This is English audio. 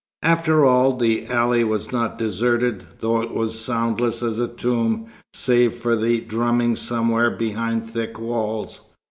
After all, the alley was not deserted, though it was soundless as a tomb save for a dull drumming somewhere behind thick walls.